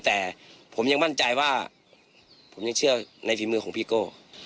แต่ผมยังมั่นใจว่าผมยังเชื่อในฝีมือของพี่โก้